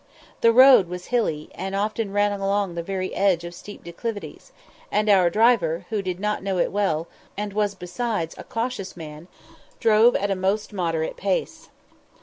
The road was hilly, and often ran along the very edge of steep declivities, and our driver, who did not know it well, and was besides a cautious man, drove at a most moderate pace.